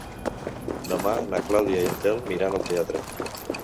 Demà na Clàudia i en Telm iran al teatre.